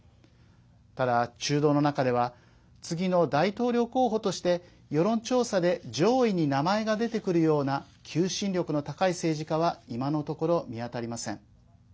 ただ、中道の中では次の大統領候補として世論調査で上位に名前が出てくるような求心力の高い政治家は今のところ、見当たりません。